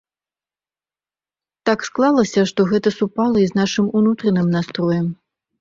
Так склалася, што гэта супала і з нашым унутраным настроем.